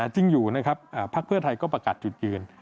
จึงอยู่นะครับพรรคเวอร์ไทยก็ประกาศจุดยืน